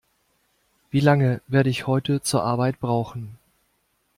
Wie lange werde ich heute zur Arbeit brauchen?